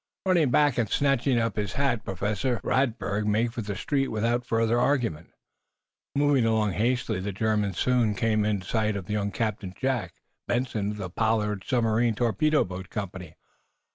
Running back and snatching up his hat, Professor Radberg made for the street without further argument. Moving along hastily, the German soon came in sight of young Captain Jack Benson, of the Pollard Submarine Torpedo Boat Company.